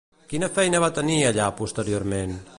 Quina feina va tenir allà posteriorment?